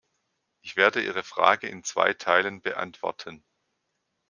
Ich werde Ihre Frage in zwei Teilen beantworten.